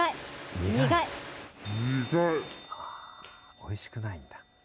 おいしくないんだ。